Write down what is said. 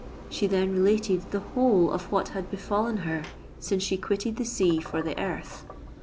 She then related the whole of what had befallen her since she quitted the sea for the earth.